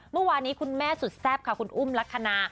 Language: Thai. เมื่อวานนี้คุณแม่สุดแซ่บค่ะคุณอุ้มลักษณะ